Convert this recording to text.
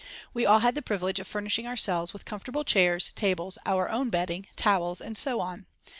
We all had the privilege of furnishing our cells with comfortable chairs, tables, our own bedding, towels, and so on.